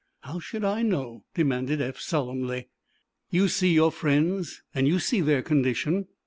"How should I know?" demanded Eph, solemnly. "You see your friends, and you see their condition."